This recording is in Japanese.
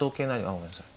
ごめんなさい。